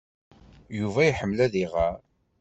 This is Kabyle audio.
Yuba iḥemmel ad iɣer.